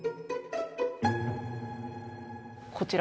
こちら。